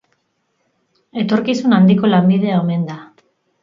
Etorkizun handiko lanbidea omen da.